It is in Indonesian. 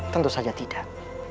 tentu saja tidak